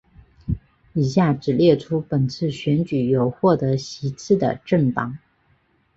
以下只列出本次选举有获得席次的政党